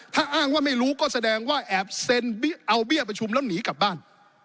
ถ้าอ้างว่าไม่รู้ก็แสดงว่าแอบเซ็นเอาเบี้ยประชุมแล้วหนีกลับบ้าน